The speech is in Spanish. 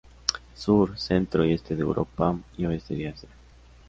Sur, centro y este de Europa y oeste de Asia.